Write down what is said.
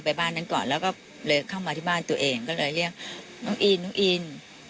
บ้านนั้นก่อนแล้วก็เลยเข้ามาที่บ้านตัวเองก็เลยเรียกน้องอินน้องอิน